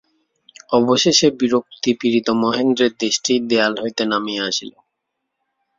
অবশেষে বিরক্তিপীড়িত মহেন্দ্রের দৃষ্টি দেয়াল হইতে নামিয়া আসিল।